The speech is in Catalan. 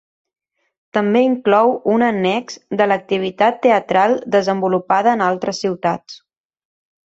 També inclou un annex de l’activitat teatral desenvolupada en altres ciutats.